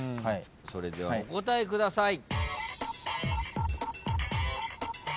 それではお答えください。